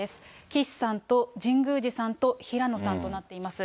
岸さんと神宮寺さんと平野さんとなっています。